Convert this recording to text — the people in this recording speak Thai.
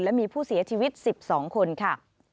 และมีผู้เสียชีวิต๑๒คนค่ะ